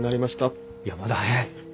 いやまだ早い！